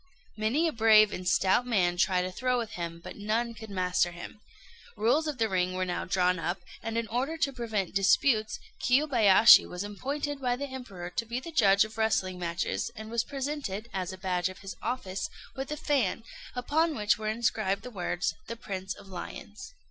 Many a brave and stout man tried a throw with him, but none could master him. Rules of the ring were now drawn up; and in order to prevent disputes, Kiyobayashi was appointed by the Emperor to be the judge of wrestling matches, and was presented, as a badge of his office, with a fan, upon which were inscribed the words the "Prince of Lions."